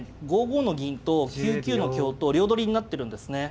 ５五の銀と９九の香と両取りになってるんですね。